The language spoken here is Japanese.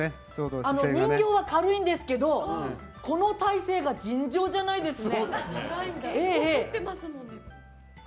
人形は軽いんですけどこの体勢が尋常じゃないですね。